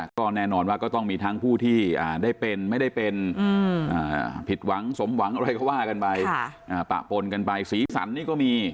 ก็แน่นอนว่าก็ต้องมีทั้งผู้ที่ได้เป็นไม่ได้เป็นผิดหวังสมหวังอะไรก็ว่ากันไปปะปนกันไปสีสันนี่ก็มี